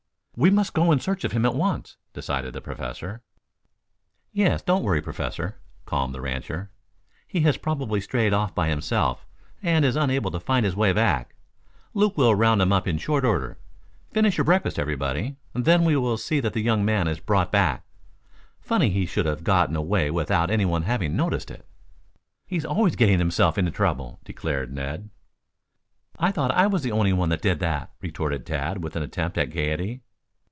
"We must go in search of him at once," decided the Professor. "Yes, don't worry, Professor," calmed the rancher. "He has probably strayed off by himself and is unable to find his way back. Luke will round him up in short order. Finish your breakfast, everybody, then we will see that the young man is brought back. Funny he should have gotten away without any one's having noticed it." "He's always getting himself into trouble," declared Ned. "I thought I was the only one that did that," retorted Tad, with an attempt at gayety.